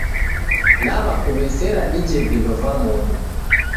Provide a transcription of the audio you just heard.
Naw'akuw'esera dije vindo va modo.